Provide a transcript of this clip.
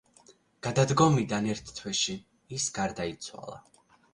გადადგომიდან ერთ თვეში ის გარდაიცვალა.